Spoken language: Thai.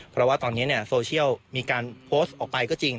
เพราะว่าตอนนี้โซเชียลมีการโพสต์ออกไปก็จริง